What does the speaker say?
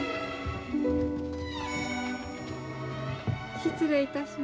失礼いたします。